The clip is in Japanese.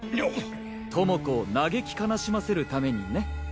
知子を嘆き悲しませるためにね。